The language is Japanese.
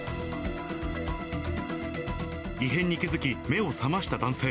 異変に気付き、目を覚ました男性。